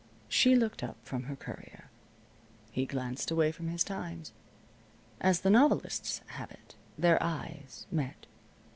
She looked up from her Courier. He glanced away from his Times. As the novelists have it, their eyes met.